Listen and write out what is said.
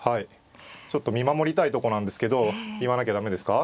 ちょっと見守りたいとこなんですけど言わなきゃ駄目ですか。